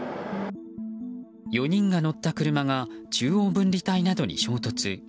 ４人が乗った車が中央分離帯などに衝突。